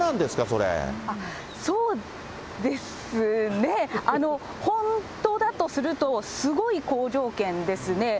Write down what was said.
そうですね、本当だとすると、すごい好条件ですね。